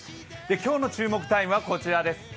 今日の注目タイムはこちらです。